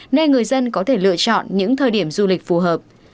nên người dân có thể lựa chọn những thời điểm du lịch phù hợp